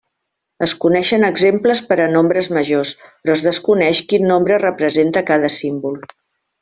Es coneixen exemples per a nombres majors, però es desconeix quin nombre representa cada símbol.